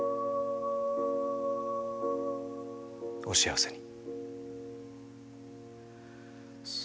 お幸せに。